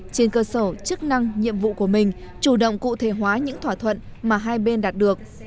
trên cơ sở chức năng nhiệm vụ của mình chủ động cụ thể hóa những thỏa thuận mà hai bên đạt được